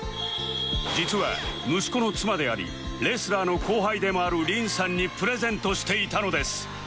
実は息子の妻でありレスラーの後輩でもある凛さんにプレゼントしていたのです